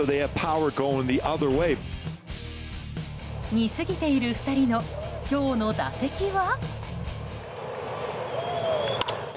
似すぎている２人の今日の打席は。